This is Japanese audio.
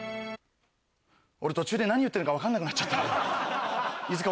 俺途中で何言ってるか分かんなくなっちゃった。